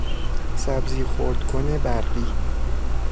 سبزی خردکن برقی